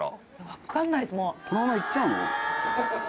分かんないですもう。